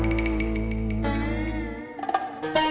bapak apa yang kamu lakukan